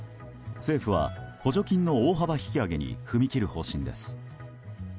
政府は補助金の大幅引き上げに踏み切る方針です。